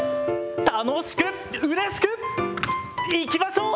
楽しくうれしくいきましょう。